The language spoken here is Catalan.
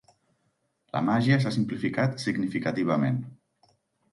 La màgia s'ha simplificat significativament.